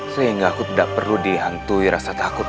sehingga aku tidak perlu dihantui rasa takut